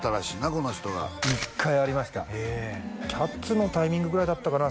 この人が一回ありました「キャッツ」のタイミングぐらいだったかな